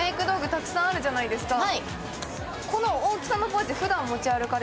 たくさんあるじゃないですか。